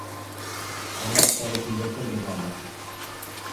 Аҙаҡ тағы һөйләшербеҙ әле.